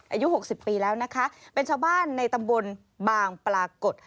อายุหกสิบปีแล้วนะคะเป็นชาวบ้านในตำบลบางปรากฏ